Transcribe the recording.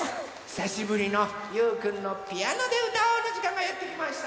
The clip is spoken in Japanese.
ひさしぶりの「ゆうくんのピアノでうたおう」のじかんがやってきました。